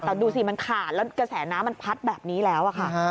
แต่ดูสิมันขาดแล้วกระแสน้ำมันพัดแบบนี้แล้วค่ะ